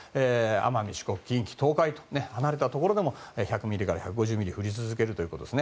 奄美、四国、近畿・東海の離れたところでも１００ミリから１５０ミリ降り続けるということです。